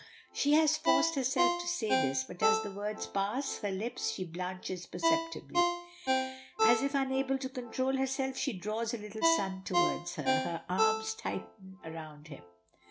She has forced herself to say this; but as the words pass her lips she blanches perceptibly. As if unable to control herself she draws her little son towards her; her arms tighten round him.